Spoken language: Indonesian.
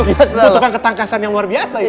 itu tekan ketangkasan yang luar biasa itu